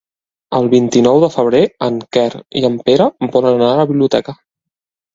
El vint-i-nou de febrer en Quer i en Pere volen anar a la biblioteca.